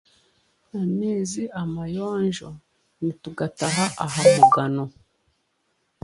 Ameezi amayonjo, nitugataha aha mugano.